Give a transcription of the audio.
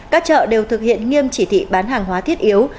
các chợ đều thực hiện nghiêm chỉ thị bán hàng hóa thiết yếu